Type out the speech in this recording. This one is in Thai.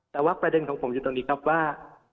แต่ว่าประเด็นของผมอยู่ตรงนี้ครับว่า